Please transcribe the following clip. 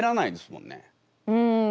うん。